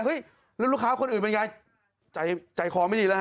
แล้วลูกค้าคนอื่นเป็นไงใจคอไม่ดีแล้วฮ